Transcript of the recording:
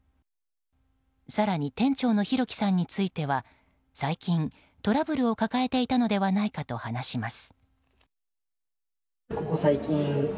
更に、店長の弘輝さんについては最近トラブルを抱えていたのではないかと話します。